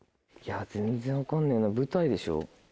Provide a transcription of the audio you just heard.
全然分かんねえな舞台でしょ。